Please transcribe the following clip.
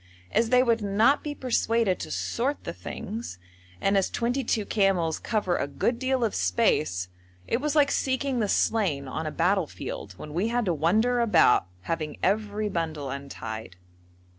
As they would not be persuaded to sort the things, and as twenty two camels cover a good deal of space, it was like seeking the slain on a battlefield when we had to wander about having every bundle untied.